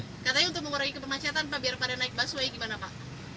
katanya untuk mengurangi kemacetan pak biar pada naik busway gimana pak